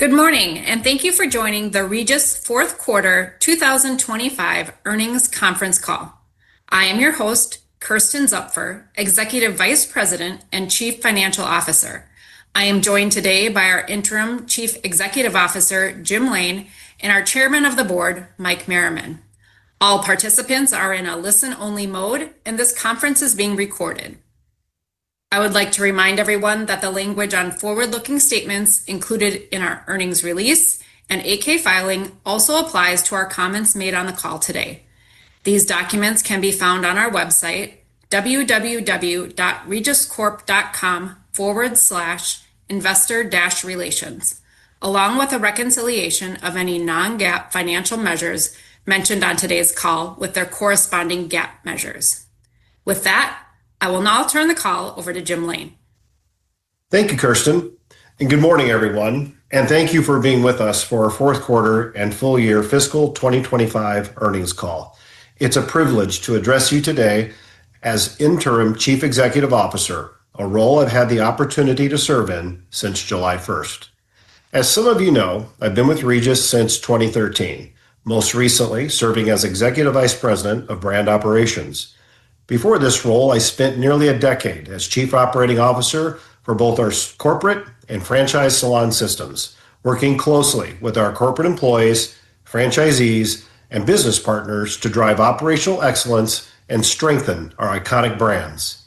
Good morning and thank you for joining the Regis Fourth Quarter 2025 Earnings Conference Call. I am your host, Kersten Zupfer, Executive Vice President and Chief Financial Officer. I am joined today by our Interim Chief Executive Officer, Jim Lain, and our Chairman of the Board, Mike Merriman. All participants are in a listen-only mode, and this conference is being recorded. I would like to remind everyone that the language on forward-looking statements included in our earnings release and 8-K filing also applies to our comments made on the call today. These documents can be found on our website, www.regiscorp.com/investor-relations, along with a reconciliation of any non-GAAP financial measures mentioned on today's call with their corresponding GAAP measures. With that, I will now turn the call over to Jim Lain. Thank you, Kersten, and good morning, everyone, and thank you for being with us for our Fourth Quarter and Full Year Fiscal 2025 Earnings Call. It's a privilege to address you today as Interim Chief Executive Officer, a role I've had the opportunity to serve in since July 1st. As some of you know, I've been with Regis since 2013, most recently serving as Executive Vice President of Brand Operations. Before this role, I spent nearly a decade as Chief Operating Officer for both our corporate and franchise salon systems, working closely with our corporate employees, franchisees, and business partners to drive operational excellence and strengthen our iconic brands.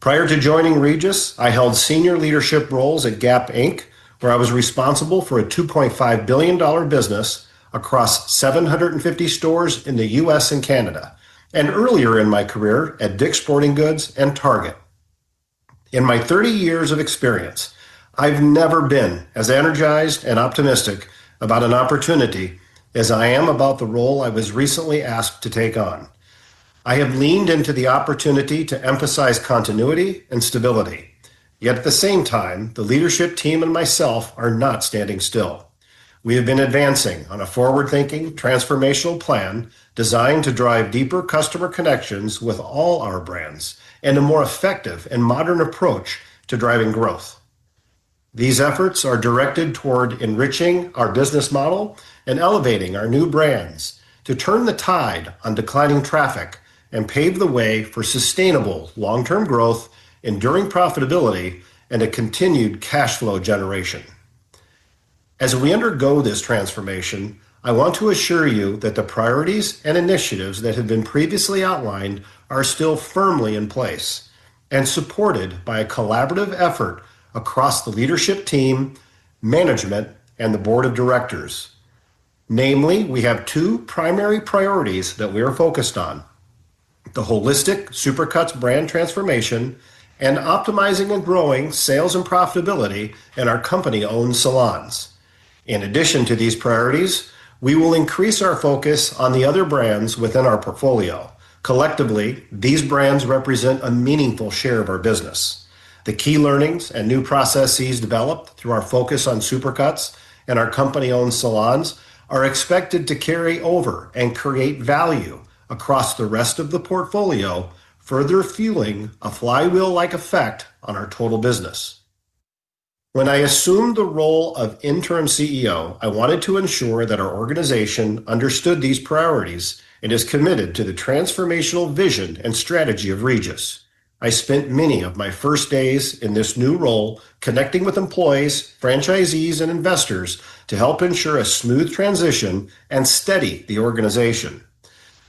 Prior to joining Regis, I held senior leadership roles at Gap Inc., where I was responsible for a $2.5 billion business across 750 stores in the U.S. and Canada, and earlier in my career at Dick's Sporting Goods and Target. In my 30 years of experience, I've never been as energized and optimistic about an opportunity as I am about the role I was recently asked to take on. I have leaned into the opportunity to emphasize continuity and stability. Yet at the same time, the leadership team and myself are not standing still. We have been advancing on a forward-thinking, transformational plan designed to drive deeper customer connections with all our brands and a more effective and modern approach to driving growth. These efforts are directed toward enriching our business model and elevating our new brands to turn the tide on declining traffic and pave the way for sustainable long-term growth, enduring profitability, and a continued cash flow generation. As we undergo this transformation, I want to assure you that the priorities and initiatives that have been previously outlined are still firmly in place and supported by a collaborative effort across the leadership team, management, and the Board of Directors. Namely, we have two primary priorities that we are focused on: the holistic Supercuts brand transformation and optimizing and growing sales and profitability in our company-owned salons. In addition to these priorities, we will increase our focus on the other brands within our portfolio. Collectively, these brands represent a meaningful share of our business. The key learnings and new processes developed through our focus on Supercuts and our company-owned salons are expected to carry over and create value across the rest of the portfolio, further fueling a flywheel-like effect on our total business. When I assumed the role of Interim CEO, I wanted to ensure that our organization understood these priorities and is committed to the transformational vision and strategy of Regis. I spent many of my first days in this new role connecting with employees, franchisees, and investors to help ensure a smooth transition and steady the organization.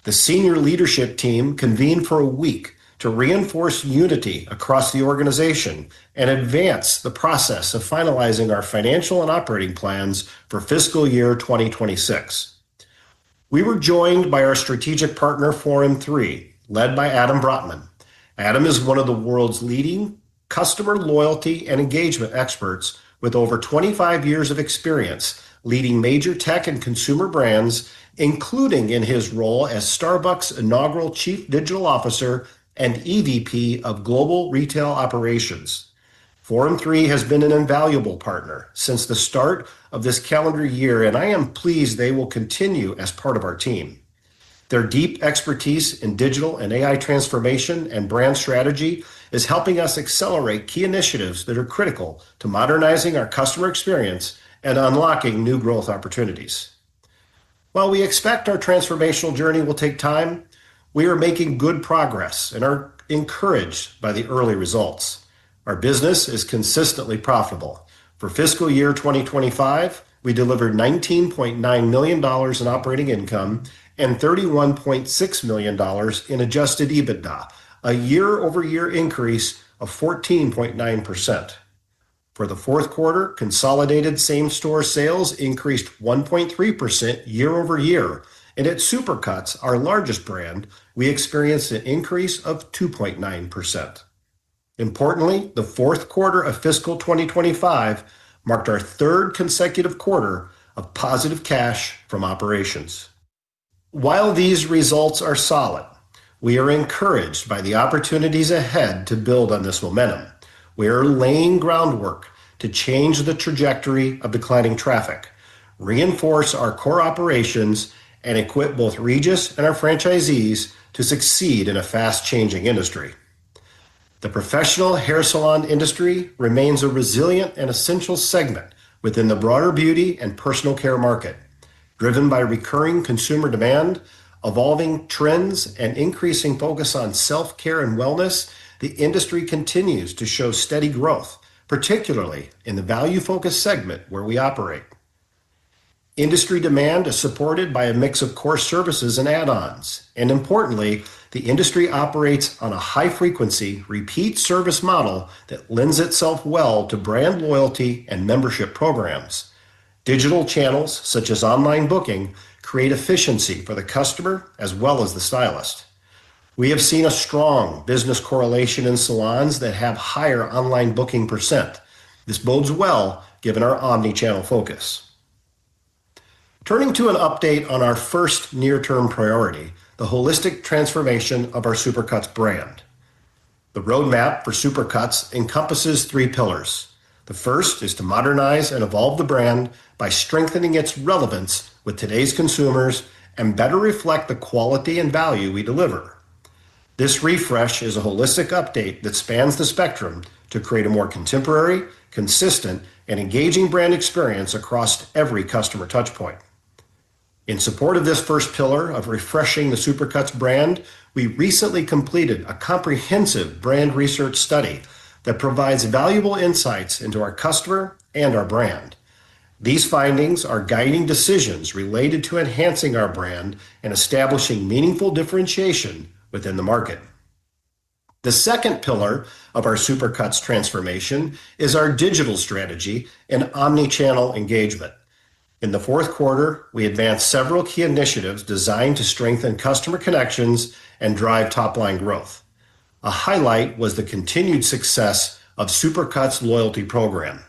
The Senior Leadership Team convened for a week to reinforce unity across the organization and advance the process of finalizing our financial and operating plans for fiscal year 2026. We were joined by our strategic partner Forum 3, led by Adam Brotman. Adam is one of the world's leading customer loyalty and engagement experts with over 25 years of experience leading major tech and consumer brands, including in his role as Starbucks' inaugural Chief Digital Officer and EVP of Global Retail Operations. Forum 3 has been an invaluable partner since the start of this calendar year, and I am pleased they will continue as part of our team. Their deep expertise in digital and AI transformation and brand strategy is helping us accelerate key initiatives that are critical to modernizing our customer experience and unlocking new growth opportunities. While we expect our transformational journey will take time, we are making good progress and are encouraged by the early results. Our business is consistently profitable. For fiscal year 2025, we delivered $19.9 million in operating income and $31.6 million in adjusted EBITDA, a year-over-year increase of 14.9%. For the fourth quarter, consolidated same-store sales increased 1.3% year- over- year, and at Supercuts, our largest brand, we experienced an increase of 2.9%. Importantly, the fourth quarter of fiscal 2025 marked our third consecutive quarter of positive cash from operations. While these results are solid, we are encouraged by the opportunities ahead to build on this momentum. We are laying groundwork to change the trajectory of declining traffic, reinforce our core operations, and equip both Regis and our franchisees to succeed in a fast-changing industry. The professional hair salon industry remains a resilient and essential segment within the broader beauty and personal care market. Driven by recurring consumer demand, evolving trends, and increasing focus on self-care and wellness, the industry continues to show steady growth, particularly in the value-focused segment where we operate. Industry demand is supported by a mix of core services and add-ons, and importantly, the industry operates on a high-frequency repeat service model that lends itself well to brand loyalty and membership programs. Digital channels such as online booking create efficiency for the customer as well as the stylist. We have seen a strong business correlation in salons that have higher online booking percent. This bodes well given our omnichannel focus. Turning to an update on our first near-term priority, the holistic transformation of our Supercuts brand. The roadmap for Supercuts encompasses three pillars. The first is to modernize and evolve the brand by strengthening its relevance with today's consumers and better reflect the quality and value we deliver. This refresh is a holistic update that spans the spectrum to create a more contemporary, consistent, and engaging brand experience across every customer touchpoint. In support of this first pillar of refreshing the Supercuts brand, we recently completed a comprehensive brand research study that provides valuable insights into our customer and our brand. These findings are guiding decisions related to enhancing our brand and establishing meaningful differentiation within the market. The second pillar of our Supercuts transformation is our digital strategy and omnichannel engagement. In the fourth quarter, we advanced several key initiatives designed to strengthen customer connections and drive top-line growth. A highlight was the continued success of Supercuts Rewards loyalty program.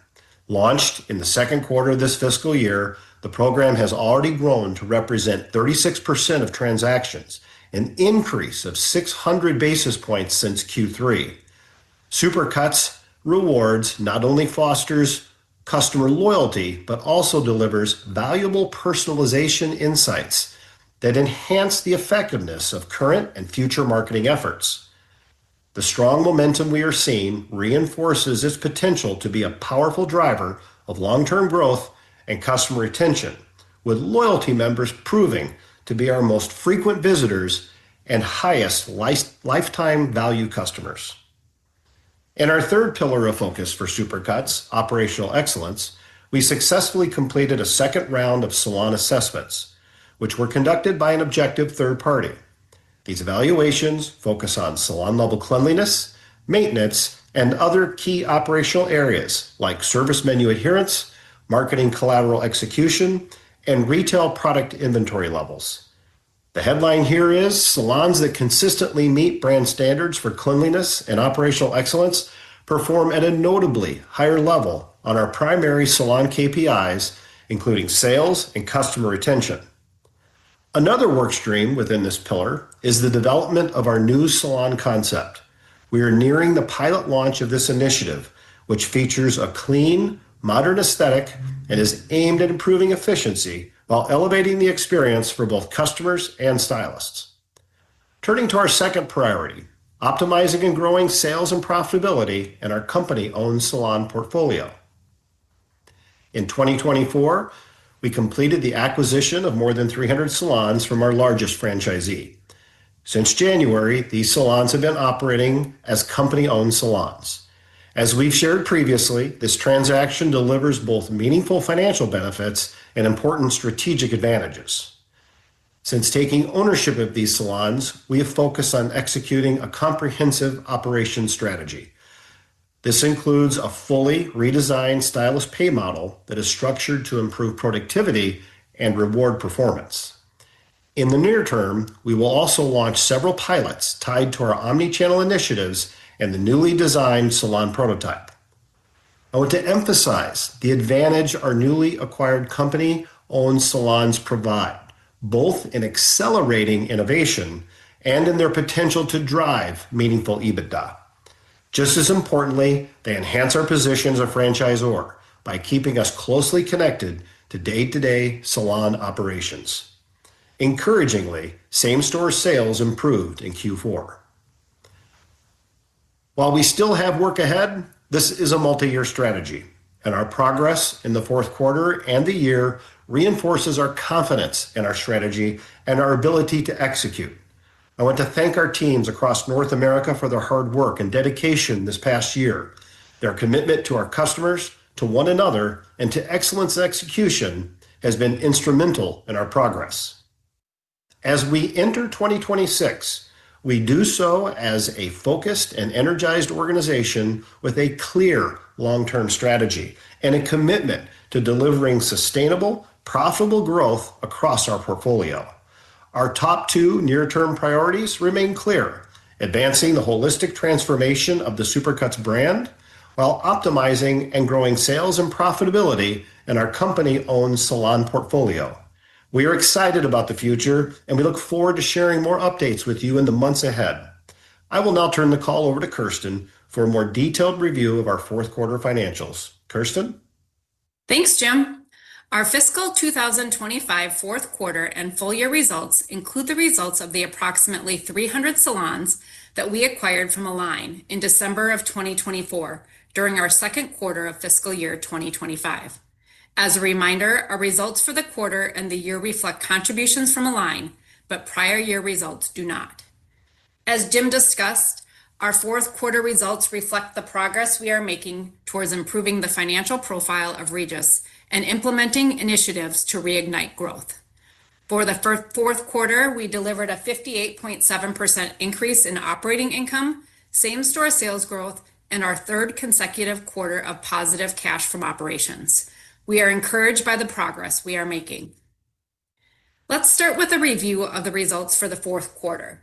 Launched in the second quarter of this fiscal year, the program has already grown to represent 36% of transactions, an increase of 600 basis points since Q3. Supercuts Rewards not only foster customer loyalty but also deliver valuable personalization insights that enhance the effectiveness of current and future marketing efforts. The strong momentum we are seeing reinforces its potential to be a powerful driver of long-term growth and customer retention, with loyalty members proving to be our most frequent visitors and highest lifetime value customers. In our third pillar of focus for Supercuts, operational excellence, we successfully completed a second round of salon assessments, which were conducted by an objective third party. These evaluations focus on salon-level cleanliness, maintenance, and other key operational areas like service menu adherence, marketing collateral execution, and retail product inventory levels. The headline here is salons that consistently meet brand standards for cleanliness and operational excellence perform at a notably higher level on our primary salon KPIs, including sales and customer retention. Another work stream within this pillar is the development of our new salon concept. We are nearing the pilot launch of this initiative, which features a clean, modern aesthetic and is aimed at improving efficiency while elevating the experience for both customers and stylists. Turning to our second priority, optimizing and growing sales and profitability in our company-owned salon portfolio. In 2024, we completed the acquisition of more than 300 salons from our largest franchisee. Since January, these salons have been operating as company-owned salons. As we've shared previously, this transaction delivers both meaningful financial benefits and important strategic advantages. Since taking ownership of these salons, we have focused on executing a comprehensive operations strategy. This includes a fully redesigned stylist pay model that is structured to improve productivity and reward performance. In the near term, we will also launch several pilots tied to our omnichannel initiatives and the newly designed salon prototype. I want to emphasize the advantage our newly acquired company-owned salons provide, both in accelerating innovation and in their potential to drive meaningful EBITDA. Just as importantly, they enhance our position as a franchisor by keeping us closely connected to day-to-day salon operations. Encouragingly, same-store sales improved in Q4. While we still have work ahead, this is a multi-year strategy, and our progress in the fourth quarter and the year reinforces our confidence in our strategy and our ability to execute. I want to thank our teams across North America for their hard work and dedication this past year. Their commitment to our customers, to one another, and to excellent execution has been instrumental in our progress. As we enter 2026, we do so as a focused and energized organization with a clear long-term strategy and a commitment to delivering sustainable, profitable growth across our portfolio. Our top two near-term priorities remain clear: advancing the holistic transformation of the Supercuts brand while optimizing and growing sales and profitability in our company-owned salon portfolio. We are excited about the future, and we look forward to sharing more updates with you in the months ahead. I will now turn the call over to Kersten for a more detailed review of our fourth quarter financials. Kersten? Thanks, Jim. Our fiscal 2025 Fourth Quarter and Full Year results include the results of the approximately 300 salons that we acquired from Align in December of 2024 during our second quarter of fiscal year 2025. As a reminder, our results for the quarter and the year reflect contributions from Align, but prior year results do not. As Jim discussed, our fourth quarter results reflect the progress we are making towards improving the financial profile of Regis and implementing initiatives to reignite growth. For the fourth quarter, we delivered a 58.7% increase in operating income, same-store sales growth, and our third consecutive quarter of positive cash from operations. We are encouraged by the progress we are making. Let's start with a review of the results for the fourth quarter.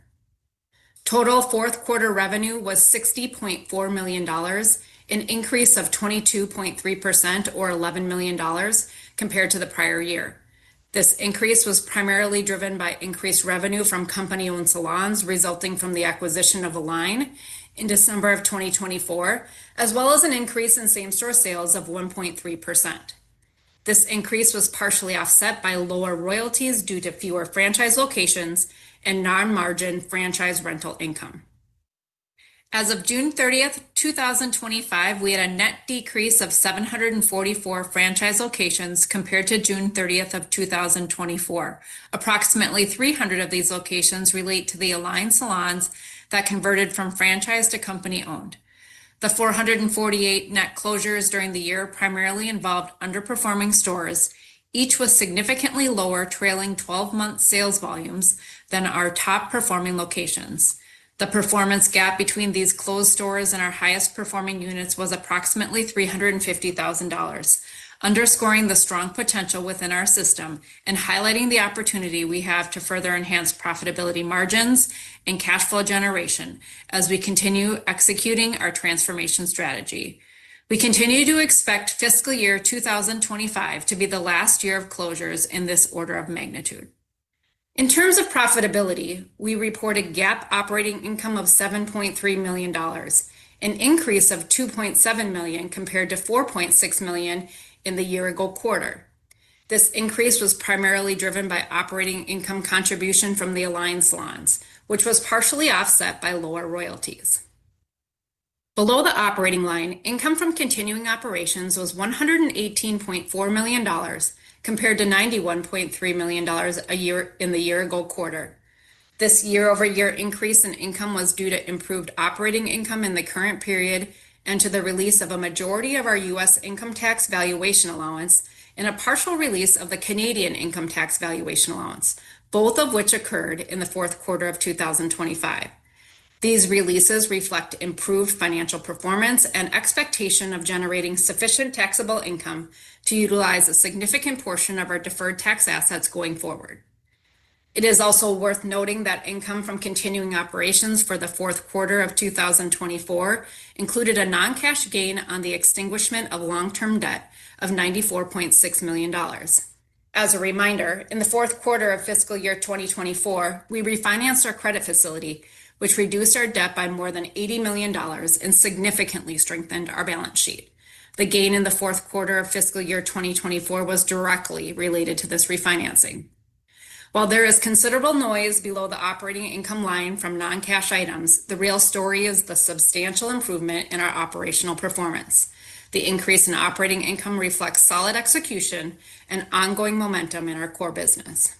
Total fourth quarter revenue was $60.4 million, an increase of 22.3% or $11 million compared to the prior year. This increase was primarily driven by increased revenue from company-owned salons resulting from the acquisition of Align in December of 2024, as well as an increase in same-store sales of 1.3%. This increase was partially offset by lower royalties due to fewer franchise locations and non-margin franchise rental income. As of June 30th, 2025, we had a net decrease of 744 franchise locations compared to June 30th, 2024. Approximately 300 of these locations relate to the Align salons that converted from franchise to company-owned. The 448 net closures during the year primarily involved underperforming stores, each with significantly lower trailing 12-month sales volumes than our top-performing locations. The performance gap between these closed stores and our highest performing units was approximately $350,000, underscoring the strong potential within our system and highlighting the opportunity we have to further enhance profitability margins and cash flow generation as we continue executing our transformation strategy. We continue to expect fiscal year 2025 to be the last year of closures in this order of magnitude. In terms of profitability, we report a GAAP operating income of $7.3 million, an increase of $2.7 million compared to $4.6 million in the year-ago quarter. This increase was primarily driven by operating income contribution from the Align salons, which was partially offset by lower royalties. Below the operating line, income from continuing operations was $118.4 million compared to $91.3 million in the year-ago quarter. This year-over-year increase in income was due to improved operating income in the current period and to the release of a majority of our U.S. income tax valuation allowance and a partial release of the Canadian income tax valuation allowance, both of which occurred in the fourth quarter of 2025. These releases reflect improved financial performance and expectation of generating sufficient taxable income to utilize a significant portion of our deferred tax assets going forward. It is also worth noting that income from continuing operations for the fourth quarter of 2024 included a non-cash gain on the extinguishment of long-term debt of $94.6 million. As a reminder, in the fourth quarter of fiscal year 2024, we refinanced our credit facility, which reduced our debt by more than $80 million and significantly strengthened our balance sheet. The gain in the fourth quarter of fiscal year 2024 was directly related to this refinancing. While there is considerable noise below the operating income line from non-cash items, the real story is the substantial improvement in our operational performance. The increase in operating income reflects solid execution and ongoing momentum in our core business.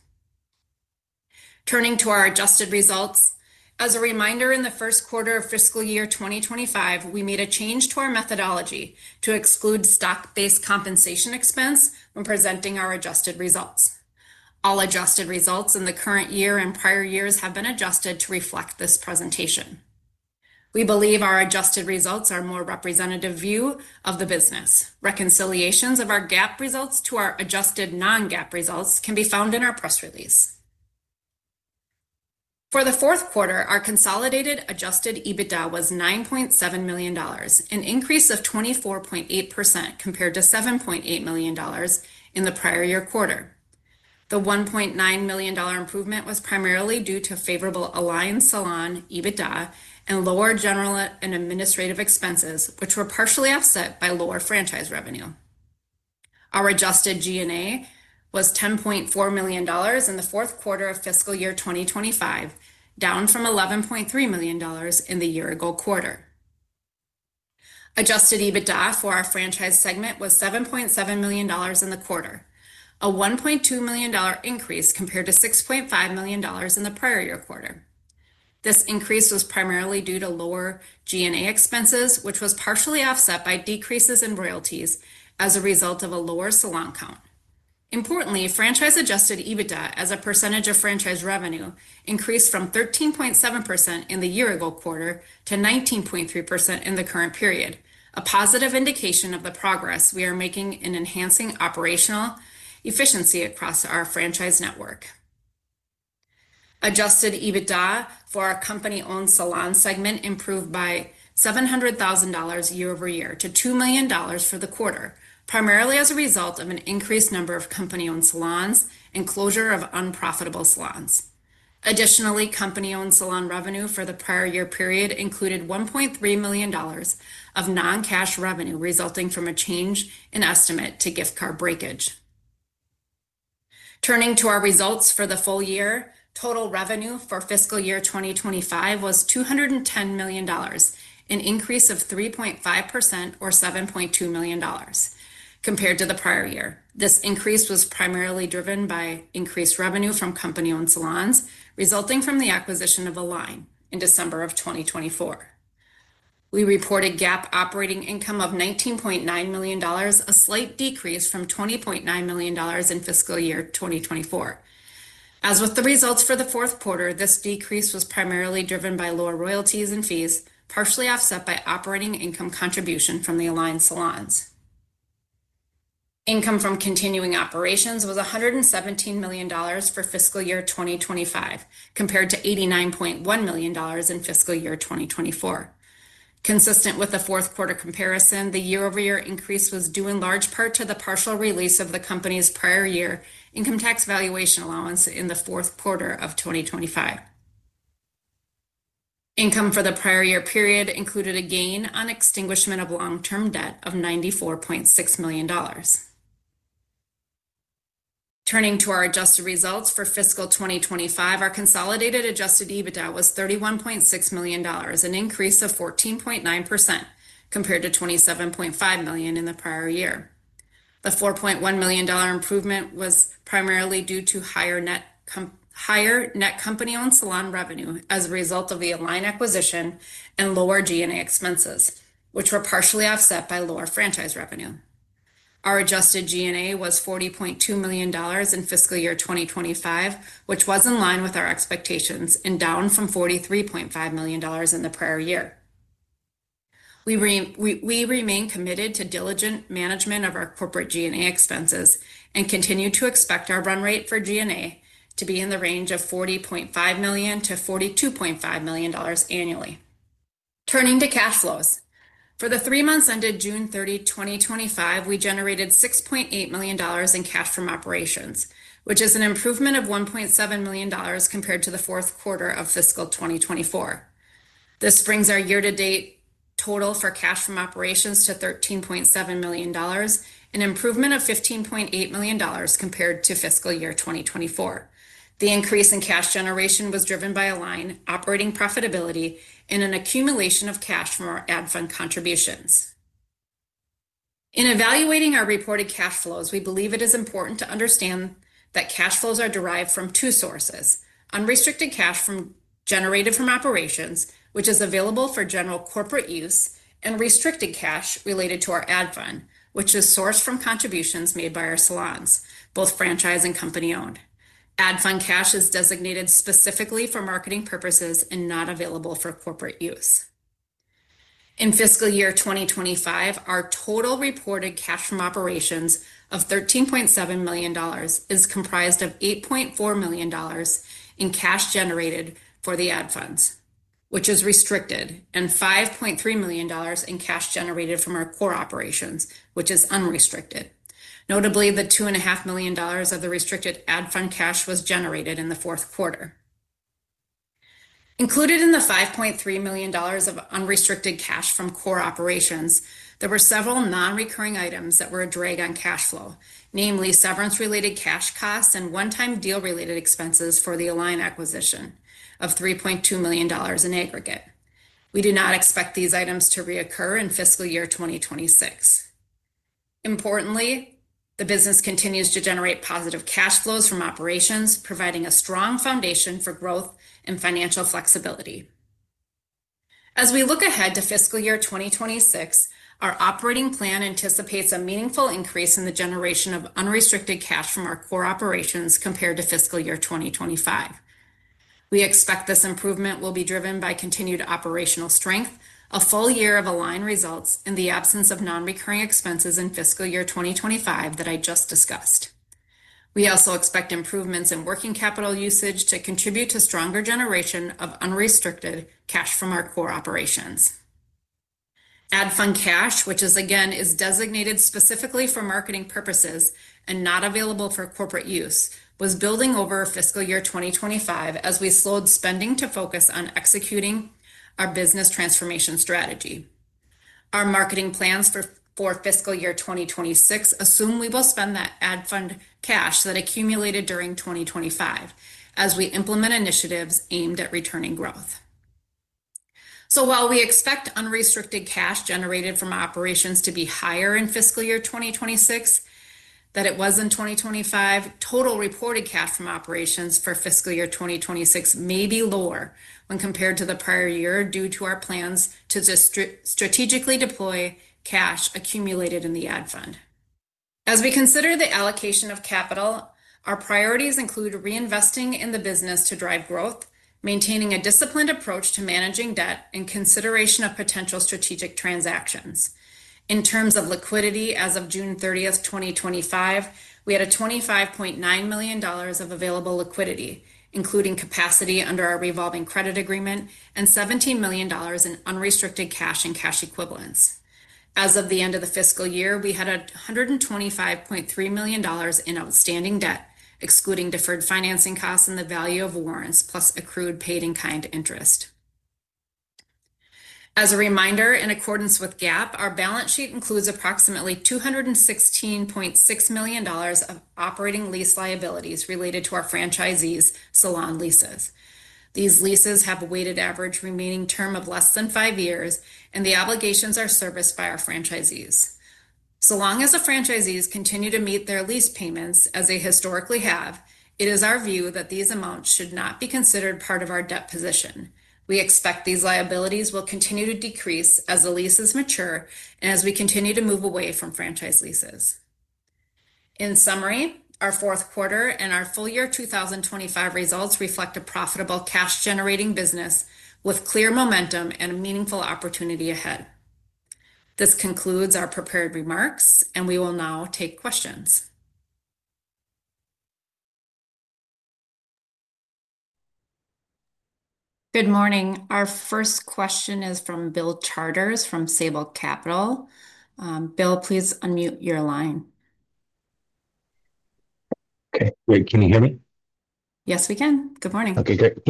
Turning to our adjusted results, as a reminder, in the First Quarter of fiscal year 2025, we made a change to our methodology to exclude stock-based compensation expense when presenting our adjusted results. All adjusted results in the current year and prior years have been adjusted to reflect this presentation. We believe our adjusted results are a more representative view of the business. Reconciliations of our GAAP results to our adjusted non-GAAP results can be found in our press release. For the fourth quarter, our consolidated adjusted EBITDA was $9.7 million, an increase of 24.8% compared to $7.8 million in the prior year quarter. The $1.9 million improvement was primarily due to favorable Align salon EBITDA and lower general and administrative expenses, which were partially offset by lower franchise revenue. Our adjusted G&A was $10.4 million in the fourth quarter of fiscal year 2025, down from $11.3 million in the year-ago quarter. Adjusted EBITDA for our franchise segment was $7.7 million in the quarter, a $1.2 million increase compared to $6.5 million in the prior year quarter. This increase was primarily due to lower G&A expenses, which was partially offset by decreases in royalties as a result of a lower salon count. Importantly, franchise adjusted EBITDA as a percentage of franchise revenue increased from 13.7% in the year-ago quarter to 19.3% in the current period, a positive indication of the progress we are making in enhancing operational efficiency across our franchise network. Adjusted EBITDA for our company-owned salon segment improved by $700,000 year-over-year to $2 million for the quarter, primarily as a result of an increased number of company-owned salons and closure of unprofitable salons. Additionally, company-owned salon revenue for the prior year period included $1.3 million of non-cash revenue resulting from a change in estimate to gift card breakage. Turning to our results for the full year, total revenue for fiscal year 2025 was $210 million, an increase of 3.5% or $7.2 million compared to the prior year. This increase was primarily driven by increased revenue from company-owned salons resulting from the acquisition of Align in December 2024. We report a GAAP operating income of $19.9 million, a slight decrease from $20.9 million in fiscal year 2024. As with the results for the fourth quarter, this decrease was primarily driven by lower royalties and fees, partially offset by operating income contribution from the Align salons. Income from continuing operations was $117 million for fiscal year 2025 compared to $89.1 million in fiscal year 2024. Consistent with the fourth quarter comparison, the year-over-year increase was due in large part to the partial release of the company's prior year income tax valuation allowance in the fourth quarter of 2025. Income for the prior year period included a gain on extinguishment of long-term debt of $94.6 million. Turning to our adjusted results for fiscal 2025, our consolidated adjusted EBITDA was $31.6 million, an increase of 14.9% compared to $27.5 million in the prior year. The $4.1 million improvement was primarily due to higher net company-owned salon revenue as a result of the Align acquisition and lower G&A expenses, which were partially offset by lower franchise revenue. Our adjusted G&A was $40.2 million in fiscal year 2025, which was in line with our expectations and down from $43.5 million in the prior year. We remain committed to diligent management of our corporate G&A expenses and continue to expect our run rate for G&A to be in the range of $40.5 million - $42.5 million annually. Turning to cash flows, for the three months ended June 30, 2025, we generated $6.8 million in cash from operations, which is an improvement of $1.7 million compared to the fourth quarter of fiscal 2024. This brings our year-to-date total for cash from operations to $13.7 million, an improvement of $15.8 million compared to fiscal year 2024. The increase in cash generation was driven by Align operating profitability and an accumulation of cash from our ad fund contributions. In evaluating our reported cash flows, we believe it is important to understand that cash flows are derived from two sources: unrestricted cash generated from operations, which is available for general corporate use, and restricted cash related to our ad fund, which is sourced from contributions made by our salons, both franchise and company-owned. Ad fund cash is designated specifically for marketing purposes and not available for corporate use. In fiscal year 2025, our total reported cash from operations of $13.7 million is comprised of $8.4 million in cash generated for the ad funds, which is restricted, and $5.3 million in cash generated from our core operations, which is unrestricted. Notably, the $2.5 million of the restricted ad fund cash was generated in the fourth quarter. Included in the $5.3 million of unrestricted cash from core operations, there were several non-recurring items that were a drag on cash flow, namely severance-related cash costs and one-time deal-related expenses for the Align acquisition of $3.2 million in aggregate. We do not expect these items to reoccur in fiscal year 2026. Importantly, the business continues to generate positive cash flows from operations, providing a strong foundation for growth and financial flexibility. As we look ahead to fiscal year 2026, our operating plan anticipates a meaningful increase in the generation of unrestricted cash from our core operations compared to fiscal year 2025. We expect this improvement will be driven by continued operational strength, a full year of Align results in the absence of non-recurring expenses in fiscal year 2025 that I just discussed. We also expect improvements in working capital usage to contribute to stronger generation of unrestricted cash from our core operations. Ad fund cash, which is again designated specifically for marketing purposes and not available for corporate use, was building over fiscal year 2025 as we slowed spending to focus on executing our business transformation strategy. Our marketing plans for fiscal year 2026 assume we will spend that ad fund cash that accumulated during 2025 as we implement initiatives aimed at returning growth. While we expect unrestricted cash generated from operations to be higher in fiscal year 2026 than it was in 2025, total reported cash from operations for fiscal year 2026 may be lower when compared to the prior year due to our plans to strategically deploy cash accumulated in the ad fund. As we consider the allocation of capital, our priorities include reinvesting in the business to drive growth, maintaining a disciplined approach to managing debt, and consideration of potential strategic transactions. In terms of liquidity, as of June 30th, 2025, we had $25.9 million of available liquidity, including capacity under our revolving credit agreement and $17 million in unrestricted cash and cash equivalents. As of the end of the fiscal year, we had $125.3 million in outstanding debt, excluding deferred financing costs and the value of warrants, plus accrued paid-in-kind interest. As a reminder, in accordance with GAAP, our balance sheet includes approximately $216.6 million of operating lease liabilities related to our franchisees' salon leases. These leases have a weighted average remaining term of less than five years, and the obligations are serviced by our franchisees. As long as the franchisees continue to meet their lease payments as they historically have, it is our view that these amounts should not be considered part of our debt position. We expect these liabilities will continue to decrease as the leases mature and as we continue to move away from franchise leases. In summary, our fourth quarter and our full year 2025 results reflect a profitable, cash-generating business with clear momentum and a meaningful opportunity ahead. This concludes our prepared remarks, and we will now take questions. Good morning. Our first question is from William Charters from Sabal Capital. William, please unmute your line. Okay, great. Can you hear me? Yes, we can. Good morning. Okay, great.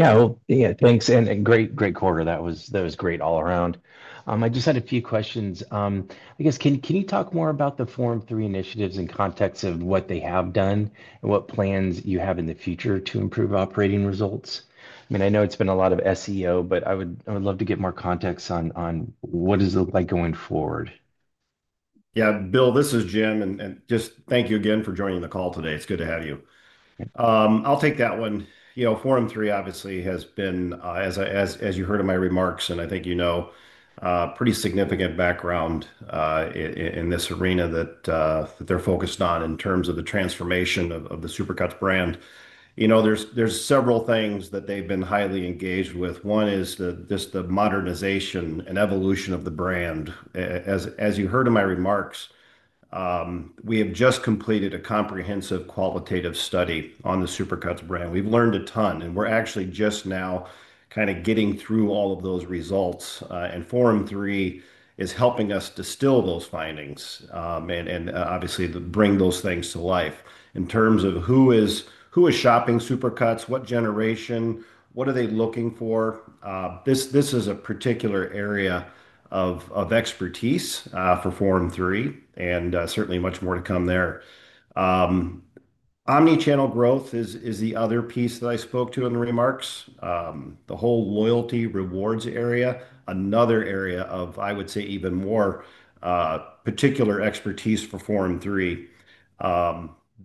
Thanks. Great quarter. That was great all around. I just had a few questions. Can you talk more about the Forum 3 initiatives in context of what they have done and what plans you have in the future to improve operating results? I know it's been a lot of SEO, but I would love to get more context on what does it look like going forward. Yeah, Bill, this is Jim, and just thank you again for joining the call today. It's good to have you. I'll take that one. Forum 3 obviously has been, as you heard in my remarks, and I think you know, a pretty significant background in this arena that they're focused on in terms of the transformation of the Supercuts brand. There are several things that they've been highly engaged with. One is just the modernization and evolution of the brand. As you heard in my remarks, we have just completed a comprehensive qualitative study on the Supercuts brand. We've learned a ton, and we're actually just now kind of getting through all of those results, and Forum 3 is helping us distill those findings and obviously bring those things to life. In terms of who is shopping Supercuts, what generation, what are they looking for, this is a particular area of expertise for Forum 3, and certainly much more to come there. Omnichannel growth is the other piece that I spoke to in the remarks. The whole loyalty rewards area, another area of, I would say, even more particular expertise for Forum 3.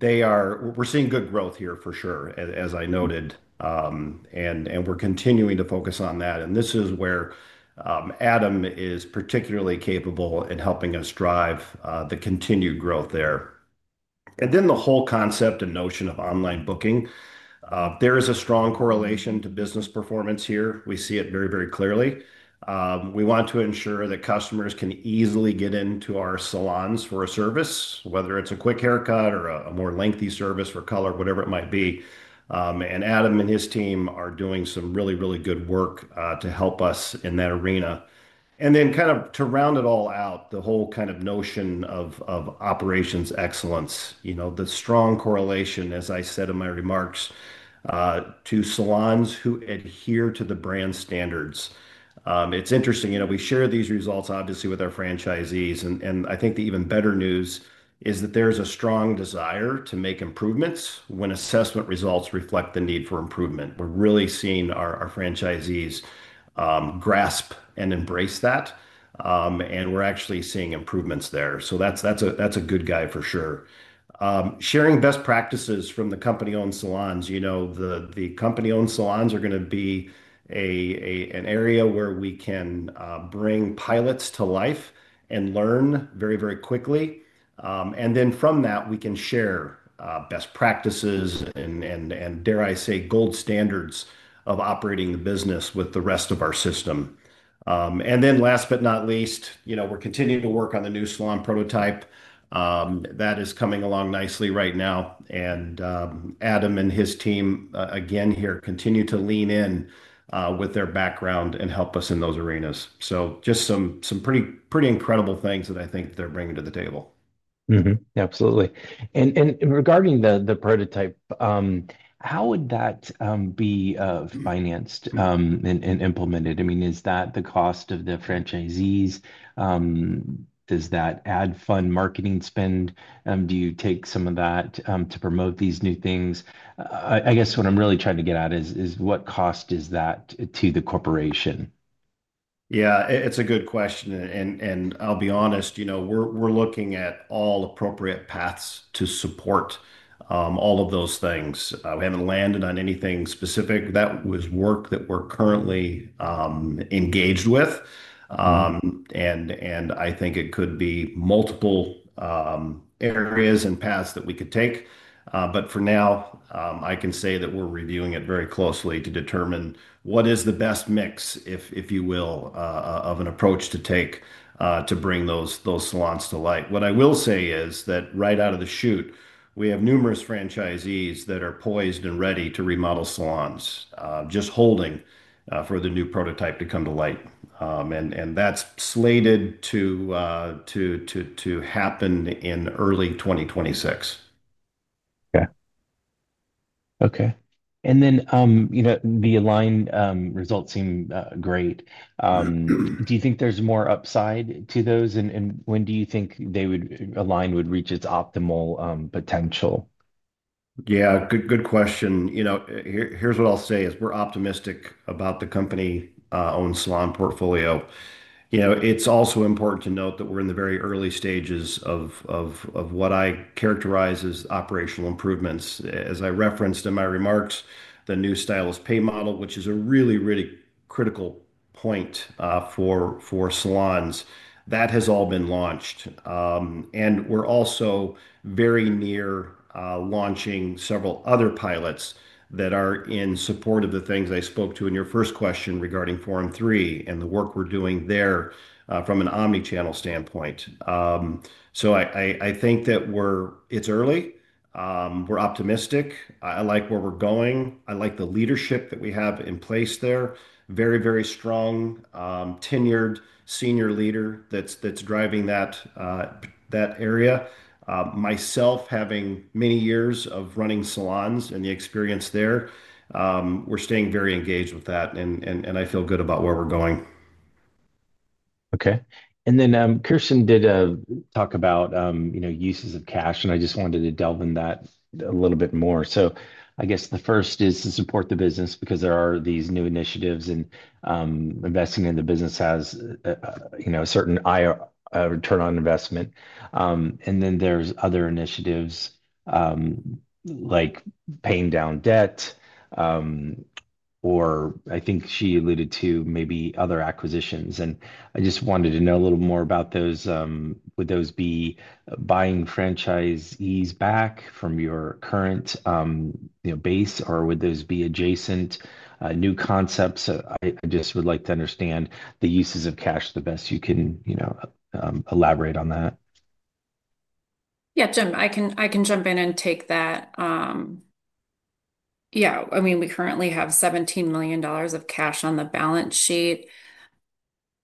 We're seeing good growth here for sure, as I noted, and we're continuing to focus on that. This is where Adam is particularly capable in helping us drive the continued growth there. The whole concept and notion of online booking, there is a strong correlation to business performance here. We see it very, very clearly. We want to ensure that customers can easily get into our salons for a service, whether it's a quick haircut or a more lengthy service for color, whatever it might be. Adam and his team are doing some really, really good work to help us in that arena. To round it all out, the whole kind of notion of operations excellence, the strong correlation, as I said in my remarks, to salons who adhere to the brand standards. It's interesting, we share these results, obviously, with our franchisees, and I think the even better news is that there's a strong desire to make improvements when assessment results reflect the need for improvement. We're really seeing our franchisees grasp and embrace that, and we're actually seeing improvements there. That's a good guide for sure. Sharing best practices from the company-owned salons, the company-owned salons are going to be an area where we can bring pilots to life and learn very, very quickly. From that, we can share best practices and, dare I say, gold standards of operating the business with the rest of our system. Last but not least, we're continuing to work on the new salon prototype that is coming along nicely right now. Adam and his team again here continue to lean in with their background and help us in those arenas. Just some pretty incredible things that I think they're bringing to the table. Absolutely. Regarding the prototype, how would that be financed and implemented? I mean, is that the cost of the franchisees? Is that ad fund marketing spend? Do you take some of that to promote these new things? I guess what I'm really trying to get at is what cost is that to the corporation? Yeah, it's a good question. I'll be honest, we're looking at all appropriate paths to support all of those things. We haven't landed on anything specific. That is work that we're currently engaged with. I think it could be multiple areas and paths that we could take. For now, I can say that we're reviewing it very closely to determine what is the best mix, if you will, of an approach to take to bring those salons to light. What I will say is that right out of the chute, we have numerous franchisees that are poised and ready to remodel salons, just holding for the new prototype to come to light. That's slated to happen in early 2026. Okay. The Align results seem great. Do you think there's more upside to those? When do you think Align would reach its optimal potential? Good question. Here's what I'll say: we're optimistic about the company-owned salon portfolio. It's also important to note that we're in the very early stages of what I characterize as operational improvements. As I referenced in my remarks, the new stylist pay model, which is a really, really critical point for salons, has all been launched. We're also very near launching several other pilots that are in support of the things I spoke to in your first question regarding Forum 3 and the work we're doing there from an omnichannel standpoint. I think that it's early. We're optimistic. I like where we're going. I like the leadership that we have in place there. Very, very strong tenured senior leader that's driving that area. Myself, having many years of running salons and the experience there, we're staying very engaged with that, and I feel good about where we're going. Okay. Kersten did talk about, you know, uses of cash, and I just wanted to delve in that a little bit more. I guess the first is to support the business because there are these new initiatives, and investing in the business has, you know, a certain return on investment. There are other initiatives like paying down debt, or I think she alluded to maybe other acquisitions. I just wanted to know a little more about those. Would those be buying franchisees back from your current base? Would those be adjacent new concepts? I just would like to understand the uses of cash the best you can, you know, elaborate on that. Yeah, Jim, I can jump in and take that. I mean, we currently have $17 million of cash on the balance sheet.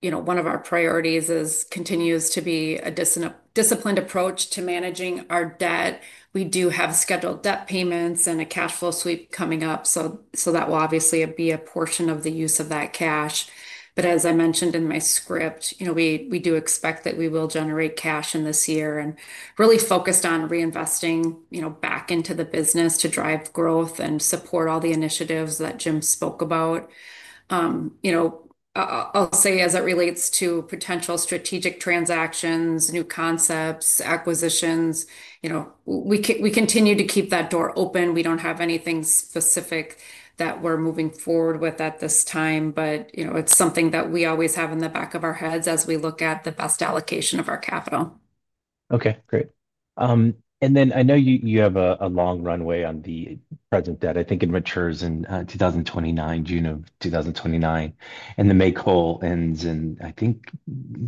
One of our priorities continues to be a disciplined approach to managing our debt. We do have scheduled debt payments and a cash flow sweep coming up. That will obviously be a portion of the use of that cash. As I mentioned in my script, we do expect that we will generate cash in this year and really focused on reinvesting back into the business to drive growth and support all the initiatives that Jim spoke about. I'll say as it relates to potential strategic transactions, new concepts, acquisitions, we continue to keep that door open. We don't have anything specific that we're moving forward with at this time, but it's something that we always have in the back of our heads as we look at the best allocation of our capital. Okay, great. I know you have a long runway on the present debt. I think it matures in 2029, June of 2029, and the make-whole ends in, I think,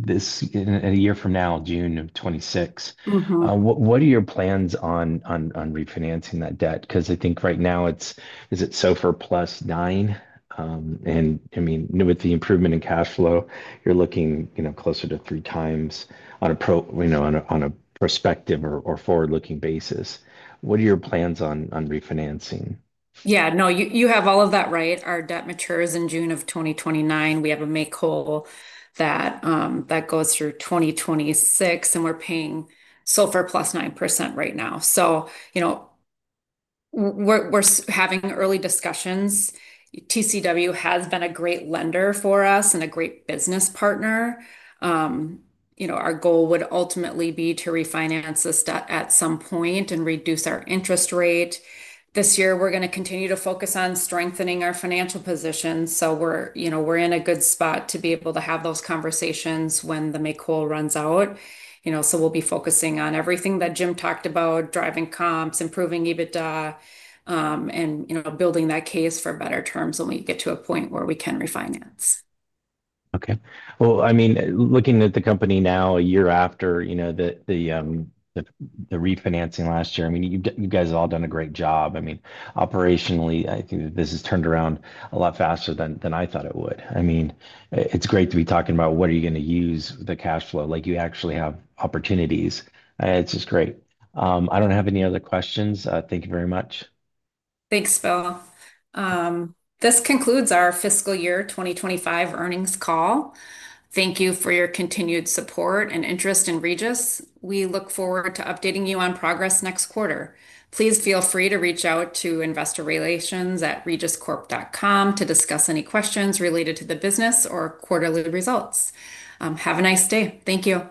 a year from now, June of 2026. What are your plans on refinancing that debt? I think right now it's, is it SOFR plus nine? With the improvement in cash flow, you're looking, you know, closer to three times on a prospective or forward-looking basis. What are your plans on refinancing? Yeah, no, you have all of that right. Our debt matures in June of 2029. We have a make-whole that goes through 2026, and we're paying SOFR plus 9% right now. We're having early discussions. TCW has been a great lender for us and a great business partner. Our goal would ultimately be to refinance this debt at some point and reduce our interest rate. This year, we're going to continue to focus on strengthening our financial positions. We're in a good spot to be able to have those conversations when the make-whole runs out. We'll be focusing on everything that Jim talked about, driving comps, improving EBITDA, and building that case for better terms when we get to a point where we can refinance. Okay. Looking at the company now a year after the refinancing last year, you guys have all done a great job. Operationally, I think that this has turned around a lot faster than I thought it would. It's great to be talking about what are you going to use the cash flow like you actually have opportunities. It's just great. I don't have any other questions. Thank you very much. Thanks, Bill. This concludes our fiscal year 2025 earnings call. Thank you for your continued support and interest in Regis. We look forward to updating you on progress next quarter. Please feel free to reach out to investorrelations@regiscorp.com to discuss any questions related to the business or quarterly results. Have a nice day. Thank you.